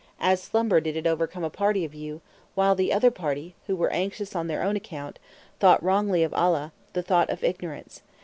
As slumber did it overcome a party of you, while (the other) party, who were anxious on their own account, thought wrongly of Allah, the thought of ignorance.